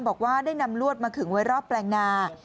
บอกว่าได้นำลวดมาขึงไว้รอบแปลงนา